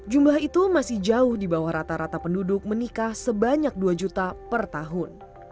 jumlah itu masih jauh di bawah rata rata penduduk menikah sebanyak dua juta per tahun